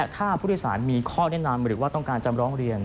ถ้าผู้โดยสารมีข้อแนะนำหรือว่าต้องการจะร้องเรียน